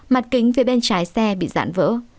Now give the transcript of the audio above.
mặt kính phía bên trái xe bị giãn vỡ